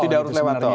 tidak harus lewat tol